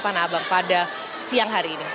tanah abang pada siang hari ini